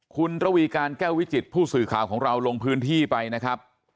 คุณระวีการแก้ววิจิตผู้สื่อข่าวของเราลงพื้นที่ไปนะครับ